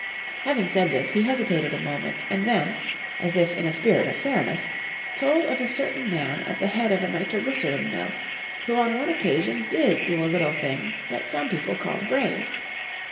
Having said this, he hesitated a moment, and then, as if in a spirit of fairness, told of a certain man at the head of a nitroglycerin mill who on one occasion did do a little thing that some people called brave.